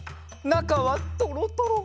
なかはトロトロ。